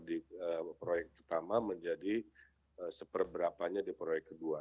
di proyek pertama menjadi seperberapanya di proyek kedua